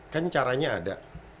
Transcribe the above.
kan caranya ada